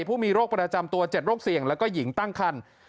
ผู้มีโรคประจำตัว๗โรคเสี่ยงแล้วก็หญิงตั้งคัน